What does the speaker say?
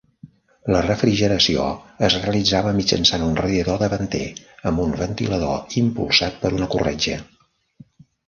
La refrigeració es realitzava mitjançant un radiador davanter, amb un ventilador impulsat per una corretja.